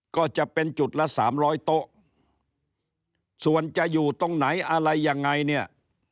ก็จะเป็นจุดละสามร้อยโต๊ะส่วนจะอยู่ตรงไหนอะไรยังไงเนี่ย